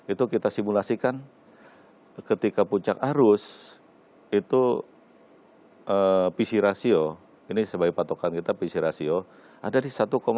itu kita simulasikan ketika puncak arus itu pc rasio ini sebagai patokan kita pc rasio ada di satu empat